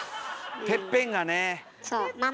てっぺんがね。